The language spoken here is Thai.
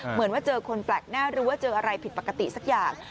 เหมือนว่าเจอคนแปลกหน้าหรือว่าเจออะไรผิดปกติสักอย่าง